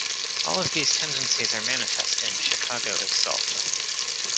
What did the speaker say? All of these tendencies are manifest in "Chicago" itself.